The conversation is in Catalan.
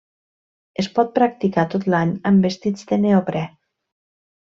Es pot practicar tot l'any amb vestits de neoprè.